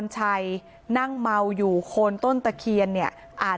ชั่วโมงตอนพบศพ